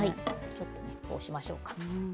ちょっとこうしましょうか。